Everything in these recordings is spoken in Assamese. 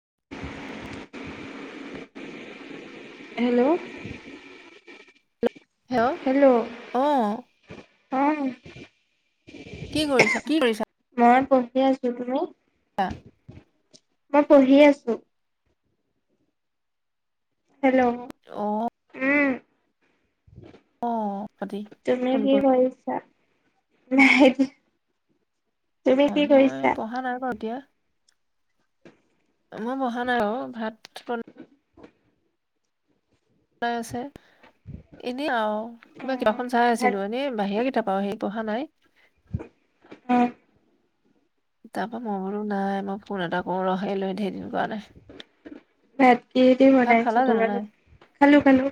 [inaudible] হেল্ল'। হেল্ল' অ অহ কি কৰিছ? কি কৰিছা? পঢ়ি আছো তুমি [unintelligible] মই পঢ়ি আছো। হেল্ল' অ উম অ পতি তুমি ফোন কি কৰি কৰিছা? [unintelligible] হয়, কি মই কৰিছা পঢ়া নাই বাৰু এতিয়া। মই বহা নাই ও ভাত [unintelligible] [inaudible] আছে এনেই আৰু কিবা কিবাখন চাই ভাত আছিলো এনেই বাহিৰলে [inaudible] সেই পঢ়া নাই [unintelligible] তাৰপা মই বোলো নাই মই ফোন এটা কৰো ৰহ। এইলৈ ঢেৰদিন কৰা নাই। [unintelligible] কিহেদি ভাত বনাইছে খালা জানো নাই তোমালোক খালো খালো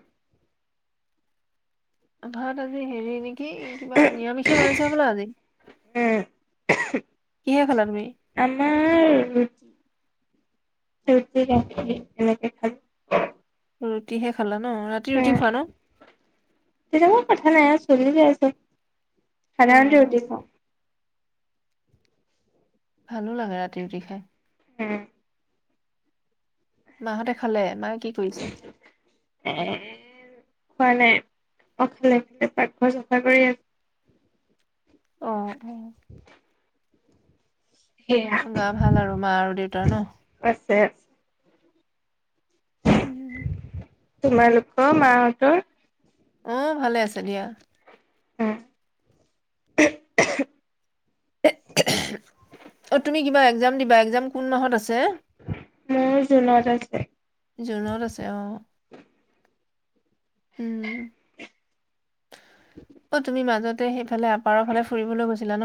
ভাত আজি হেৰি নেকি কিবা নিৰামিষে বনাইছে হবলা আজি। উম কিহে খালা তুমি? আমাৰ ৰুটি ৰুটি, গাখীৰ এনেকে খালো। ৰুটিহে [inaudible] ৰাতি ৰুটি উম। খোৱা ন তেতিয়া মই কথা নাই আৰু চলি [inaudible] অ সাধাৰণতে ৰুটি খাওঁ। ভালো লাগে ৰাতি ৰুটি খাই। উম মাহঁতে খালে। মাক কি কৰিছে? এ খোৱা নাই অ খালে খালে পাকঘৰ চফা কৰি আছে অ। হম [inaudible] সেয়া গা ভাল আৰু মা আৰু দেউতাৰ ন বেছ। উম। তোমালোকৰ মাহঁতৰ অহ, ভালে আছে দিয়া। উম [unintelligible] [unintelligible] অ তুমি কিবা একজাম দিবা একজাম মোৰ জুনত আছে। জুনত আছে অহ। উম অ তুমি মাজত তে ইফালে আপাৰৰ ফালে ফুৰিবলৈ গৈছিলা ন।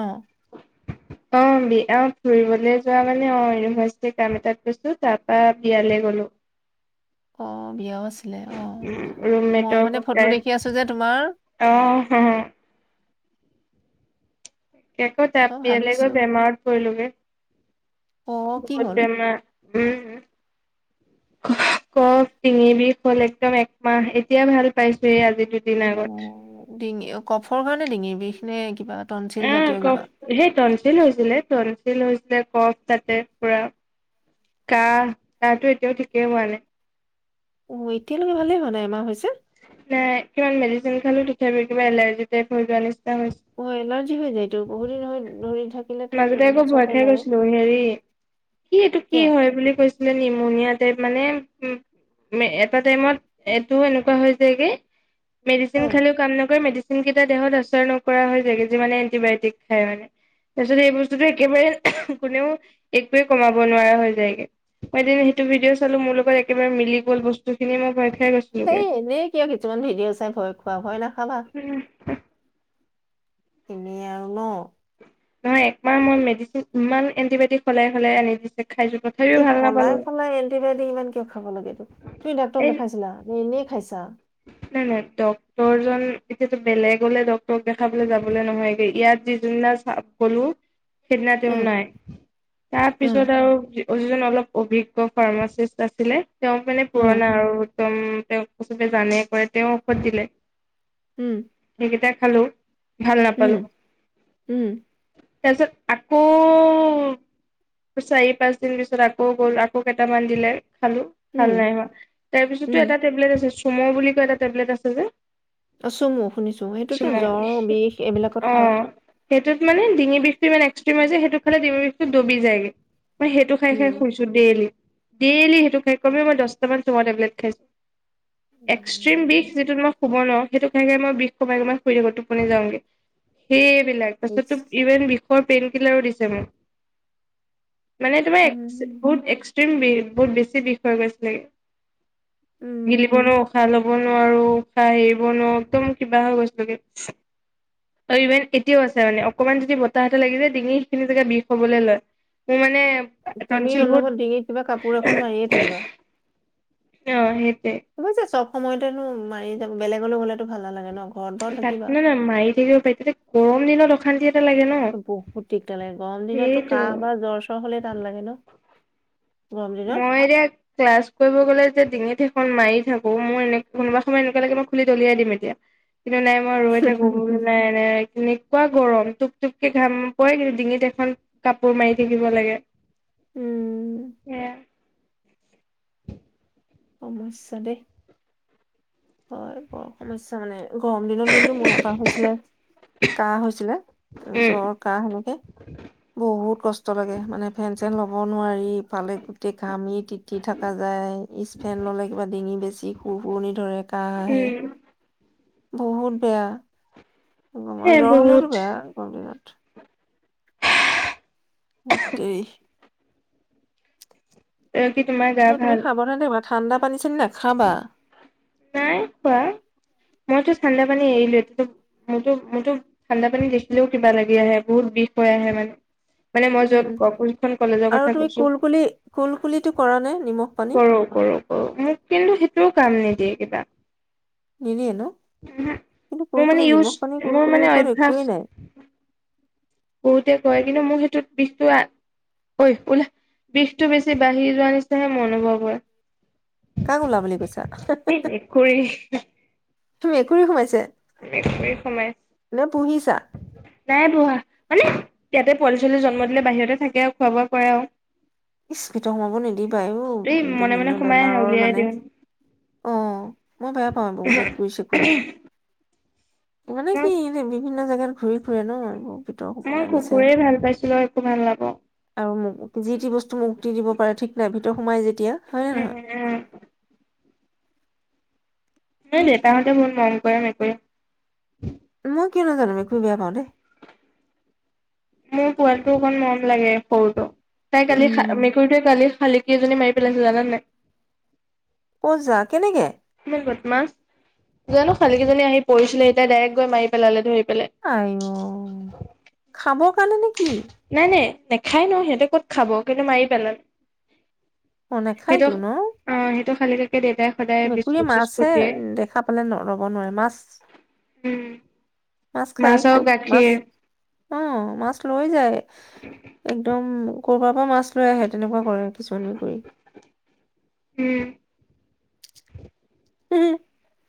অ বিয়া ফুৰিবলৈ যোৱা মানে অ ইউভাৰ্চিটিৰ কাম এটাত গৈছো তাৰ পৰা বিয়ালৈ গ'লো। অ বিয়াও আছে। ছিলে অ মই ৰুমমেটৰ মানে ফটো ককায়েক দেখি আছো যে তোমাৰ! অ অ [unintelligible] বিয়ালৈ ভাবিছো গৈ বেমাৰত পৰিলোগে। অ কি বহুত হ'ল বেমা। উম উফ কফ ডিঙি বিষ হ'ল একদম একমাহ এতিয়া ভাল পাইছোয়ে আজি। দুদিন অ আগত। ডিঙি অ কফৰ কাৰণে ডিঙিৰ বিষনে কিবা টনচিল উম জাতীয় কক কিবা সেই তনচিল হৈছিলে তনচিল হৈ গোটে কফ তাতে পুৰা কাহ কাহটো এতিয়াও ঠিকেই হোৱা নাই। অ এতিয়ালৈকে ভালে হোৱা নাই এমাহ হৈছে। নে কিমান মেডচিন খালো তথাপি কিবা এলাৰ্জি টাইপ হৈ যোৱা নিচি অ এলাৰ্জি হৈ যায়তো বহুত দিন হৈ ধৰি থাকিলেতো [unintelligible] মাজতে আকৌ চব ভয় খাই বেমাৰে গৈছিলো হেৰি কি এইটো কি কিয় হয় বুলি কৈছিলে নিম [unintelligible] টাইপ মানে উ মে এটা টাইমত এইটো এনে হৈ হৈ যায়গে! মেডচিন হে খালেও কাম নকৰে মেডি কোনকেটা দেহত অচৰ নকৰা হৈ যায়গে যিমানে এন্টিবায়তিক খায় মানে যদি এই বস্তুটো একেবাৰে অহ কোনেও একোৱে কমাব নোৱাৰা হৈ যায়গে মই এদিন সেইটো ভিডিঅ' চালো মোৰ লগত একেবাৰে মিলি গল বস্তুখিনি মই ভয় খাই হে গৈছিলোগে [unintelligible] নে কিয় কিছুমান ভিডিঅ' চাই ভয় খোৱা ভয় নাখাবা। এনেই আৰু ন! নহয় একমাহ মই মেডিচিন ইমান এন্টিবায়টিক সলাই সলাই আনি দিছে। খাইছো তথাপিও এই ভাল সলাই নাপালো। সলাই এণ্টিবায়টিক ইমান কিয় খাব লাগেতো তুমি ডাক্তৰক এই দেখাইছিলা নে এনে খাইচা নাই নাই ডক্তৰজন এতিয়াতো বেলেগলে ডক্তৰক দেখাবলৈ যাবলৈ নহয়গে ইয়াত যি [unintelligible] চা-গলো সেইদিনা তেওঁ উম নাই উম তাৰপিছত আৰু [unintelligible] জন অলপ অভিজ্ঞ ফাৰ্মাচিষ্ট আছিলে তেওঁক মানে উম পুৰণা আৰু একদম তেওঁক চবে জানে কৰে তেওঁ ঔষধ দিলে। উম সকেইটা খালো। ভাল উম, নাপালো উম তাৰপিছত আকৌ চাৰি পাঁচদিন পিছত আকৌ গলো আকৌ কেইটামান দিলে খালো ভাল উম নাই হোৱা তাৰ পিছতো উম এটা টেবলেট আছে। কুম' বুলি কোৱা এটা টেবলেট আছে যে, আছোমো শুনিছো সেইটোতো চুম' জ্বৰ বিষ অ এইবিলাকত খায়। সেইটোত মানে ডিঙি বিষটো ইমান একস্ৰিম য সেইটো খালেিব বিষু দুবি যায়ৈগে মই সেইটো খাই উম খাই শুইছো দেইলি ডেইলি সেইটো খাই কমে মই দছটা মান খাইছো। এক্সট্ৰিম বিষ উম যিটো মই শুব ন সেইটো খাই খাই মই বিষ কমাই কমান শুই থাকো টোপনি যাওঁগৈ সেই তাৰপিছত ইচ, ইভেণ্ট অই পেইনকিলাৰো দিছে মোক। মানে তোমাৰ্ উম বহুত এক্সট্ৰিম বি বহুত বেছি বিষয় গৈছিলে উম গিলিব নোৱাৰোঁ উষাহ ল'ব নোৱাৰোঁ নোৱাৰো উশাহ এৰিব নোৱাৰো একদম কিবা হৈ গৈছিলোগে ইভেন এতিয়াও আছে মানে অকমান যদি বতাহ এটা লাগি, যায় ডিঙি সেইখিনি জেগা বিষ হবলৈ লয় মোৰ মানে। তুমি টনচিল বহুত অনুবত ডিঙিত কিবা কাপোৰ এখন মাৰিয়ে থাকিবা। অ সেইটো আবছ সময়তেনো মাৰি য বেলেগলৈ গ'লেতো ভাল নালাগে ন। ঘৰত বাৰু তাক থাকিবা ন না মাৰি দিলোঁ তাৰপিছতো পাৰি তেয়া গৰম দিনত কালি বহুত দিীগদালাগে গৰম দিনততো সেইটো কাহ বা জ্বৰ চ্বৰ হলে টান লাগে ন গৰম দিনত মই এতিয়া ক্লাছ কৰিব গ'লে যে ডিঙি সোপা খন মাৰি থাকো মই এনে কোনোবা সময় এনেকা লাগে মই খুলি দলিয়াই দিম এতিয়া কিন্তু নাই মই ৰৈ থাকো বোলো নাই এ এইখিনি এুৱা গৰম টুপ টুপকে ঘাম পৰে কিন্তু ডিঙিত এখন কাপোৰ মাৰি থাকিব লাগে উম এ নাই সমস্যা দেই হয় বৰ সমস্যা মানে গৰম দিনত কিন্তু মোৰ এবাৰ হৈছিলে কাহ হৈছিলে তাৰ উম। জ্বৰ কাহ সেনেকে বহুত কষ্ট লাগে মানে ফেন চেন ল'ব নোৱাৰি ইফালে গোটেই ঘামি তিতি থকা যায় ইচফেন ললে কিবা ডিঙি বেছি সুৰফুৰনি ধৰে। আহে উম বহুত বেয়া সেই জ্বৰ হ'লেও বহুত তো বেয়া গম দিনত [unintelligible] গোটেই এক কি তোমাৰ গা আৰু তুমি ভাল সাৱধানে থাকিবা ঠাণ্ডা পান চে নে নাই খাবা নাই পোৱা। মইতো ঠাণ্ডা পানী এৰিলো এতি টো মোৰতো মইতো ঠাণ্ডা পানী দেখিলেও কিবা লাগি আহে বহুত বিষ হৈ আহে মানে? মানে মই উম উম যত কোন কখন কলেজৰ আৰু কথা তুমি কৈছো কুলকুলি কুলকুলিটো কৰা নে নিমখ পানী কৰো কৰো কৰো মোক কিন্তু সেইটো কাম নিদিয়ে। কেইটা নিদিয়ে ন কিন্তু মোৰ মানে কুলকুলুলি ইউজ নিমখ পানী মোৰ মানে কুলকুলিৰ ওপৰত অভ্যাস একোৱেই নাই বহুতে কয় কিন্তু মোৰ সেইটোত বিষটো ঐ ওলা বিষটো বেছি বাঢ়ি যোৱা যে নিচিনাহে মোৰ অনুভৱ কৰা। কাক ওলা বুলি কৈছা এই মেকুৰী মেকুৰী সোমাইছে এক মিনিট সময় নে পুহিছা নাই পঢ়া মানে ইয়াতে পোৱালি ছোৱালী জন্ম দিলে বাহিৰতে থাকে আৰু খোৱা বোৱা কৰে আৰু ইস ভিতৰত সোমাব নিদিবা ও এই মনে মনে বিভিন্ন সোমাই আহে বেমাৰৰ উলিয়াই মানে দিওঁ অ মই বেয়া পাওঁ এই বোৰ মেকুৰী চেকুৰী। মানে মই কি এনে দিবি। বিভিন্ন জেগাত ঘূৰি ফুৰে ন এই বোৰ মই কুকুৰেই ভাল পাইছিলো আৰু একো ভাল নাপাওঁ। আৰু মোক যি তি বস্তু মুটি দিব পাৰে ঠিক নাই ভিতৰত সোমাই যেতিয়া হয় নে উম নহয়। উম সেই দেউতা সতে বহুত মৰম কৰে মেকুৰী মই কি নো জানো মেকুৰী বেয়া পায় দে মোৰ পোৱালিটো অকল মৰম লাগে সৰু তো তাই কালি খ উম মেকুৰীটোৱে কালি খালী। কেইজনী মাৰি পেলাইছিল জানানে নাই? অ' যা, কেনেকে? ইমান বতমাচ। জানো শালিকী জনী আহি পৰিছিলে [unintelligible] ডাইৰেক্ট গৈ মাৰি পেলালে ধৰি। পেলাই আইও! খাব কাৰণে নে কি? নাই নাই নেখায় ন, সিহতেঁ ক'ত খাব কিন্তু মাৰি পেলাল। অ', সেইটো, নাখায়তো ন? অঁ। সেইটো খালী [unintelligible] দেউতাই সদায় [unintelligible] [unintelligible] মাছহে দেখা পালে ন ৰ'ব নোৱাৰে। মাছ উম। খায় মাছ আৰু খুব মাছ গাখীৰ। অ মাছ লৈ যায়, একদম কৰবাৰ পৰা মাছ লৈ আহে তেনেকুৱা কৰে। কিছুমান মেকুৰি উম [unintelligible]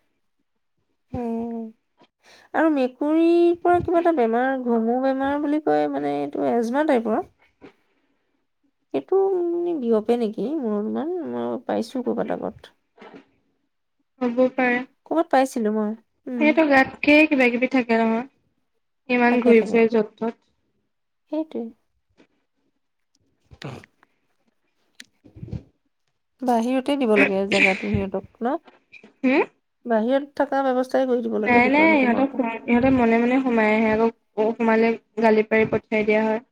হম আৰু মে কুৰীৰ পৰা কিবা এটা বেমাৰ [unintelligible] বেমাৰ [unintelligible] বুলি কৈ মানে এইটো [unintelligible] টাইপৰ। সেইটো নিবিয়পে নেকি মোৰ‌ অনুমান। [unintelligible] পাইছো ক'বাত আগত। হ'ব পাৰে ক'বাত পাইছিলো মই। উম, [unintelligible] কিবা কিবি থাকে নহয়। ইমান থাকে ঘূৰি থাকে ফুৰে য'ত ত'ত। সেইটোৱে। [inaudible] [inaudible] [unintelligible] [unintelligible] দিব লাগে জেগাটো সিহঁতক ন? হম বাহিৰত থাকা ব্যৱস্থা নাই নাই। ইহঁতক - ইহঁতে মনে মনে সোমাই আহে আকৌ। [unintelligible] সোমালে গালি পাৰি পঠিয়াই দিয়া হয়।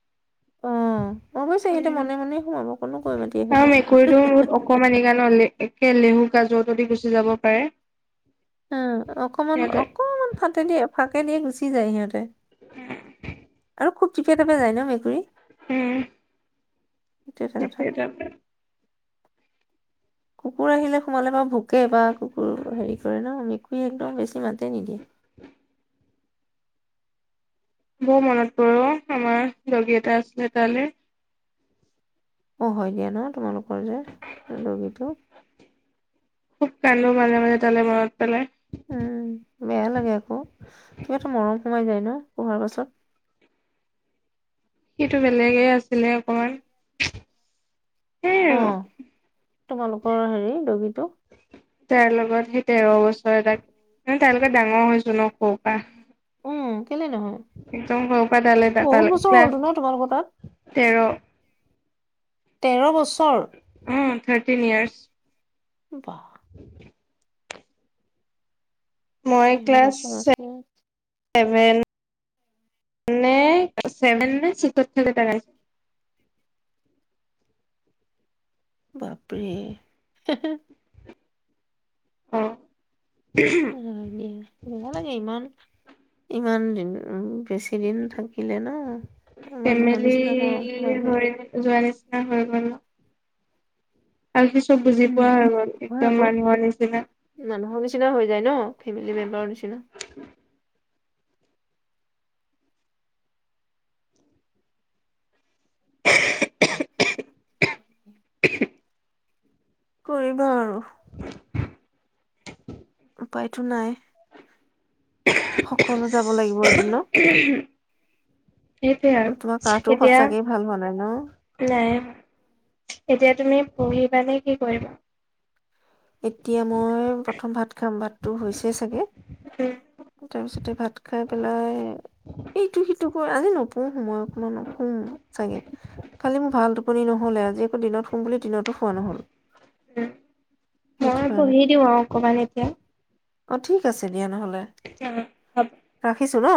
অঁ। অৱশ্যে সিহঁতে মনে মনে সোমাব। কোনো কৈ মাতি অ আহিব। মেকুৰীটো [unintelligible] বহুত অকমানি [unintelligible] [unintelligible] দি গুচি যাব পাৰে। উম অকমান সিহঁতে অকমান ফাটে দি ফাঁকে দিয়ে গুচি যায় সিহঁতে আৰু খুব টিপে-তাপে যায় ন' মেকুৰী উম সেইটো এটা কথা। [unintelligible] কুকুৰ আহিলে সোমালে বাৰু ভোকে বা কুকুৰ হেৰি কৰে ন' মেকুৰী একদম বেছি মাতে নিদিয়ে। বৰ মনত অ' আমাৰ দগী এটা আছিলে তালে অ', হয় দিয়া ন' তোমালোক মোৰ যে দগীটো খুব কান্দো মাজে মাজে তালে মনত পেলাই উম, বেয়া লাগে আকৌ। কিবা এটা মৰম সোমাই যায় ন পোহাৰ পাছত সেইটো বেলেগে আছিলে অকমান সেই আৰু অ', তোমালোকৰ হেৰি দগী টো তাৰ লগত সেই তেৰ বছৰ তাক মানে তাৰ লগত ডাঙৰ হৈছো ন' সৱু পা উম, কেলে নহয় একদম সৰু পা তালে চাফা বহুত বছৰ ক্লাছ হ'লতো ন তোমালোকৰ তাত? তেৰ তেৰ বছ কৰ থাৰটিন ইয়াৰছ বাহ [inaudible] মই তেৰ ক্লাছ বছৰ আছিল ছেভেন নে চিকত থাক [unintelligible] বাপৰে হে হে অ' লাগে বেয়া লাগে ইমান ইমান দিন উম বেছি দিন থাকিলে ন' মানুহৰ ফেমিলি নিচিনা মৰম সোমাই হৈ যায়তো [unintelligible] হৈ গ'ল ন' আৰু সি চব বুজি উম পোৱা হৈ গ'ল হয় একদম আকৌ মানুহৰ নিচিনা মানুহৰ নিচিনা হৈ যায় ন' ফেমিলি মেম্বাৰৰ নিচিনা [inaudible] কৰিবা আৰু [inaudible] উপায়তো নাই সকলো যাব লাগিব এ সেইটোৱে তোমাৰ আৰু কাহটো সঁচাকে ভাল হোৱা নাই ন এতিয়া নাই এতিয়া তুমি পঢ়িবা নে কি কৰিবা? এতিয়া মই প্ৰথম ভাত খাম ভাতটো হৈছেই চাগে উম তাৰ পিছতে ভাত খাই পেলাই এইটো সি [unintelligible] আজি নপহো মই [unintelligible] চাগে কালি মোৰ ভাল টোপনি নহলে আজি আকৌ দিনত শুম বুলি দিনতো শুৱা নহল। উম সেইটো মই কাৰণে। পঢ়ি দিওঁ আৰু অকমান এতিয়া। অ ঠিক আছে দিয়া নহ'লে। অ', হ'ব। ৰাখিছো ন?